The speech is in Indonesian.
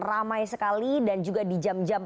ramai sekali dan juga di jam jam